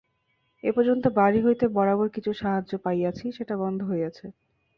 এ পর্যন্ত বাড়ি হইতে বরাবর কিছু সাহায্য পাইয়াছি, সেটা বন্ধ হইয়াছে।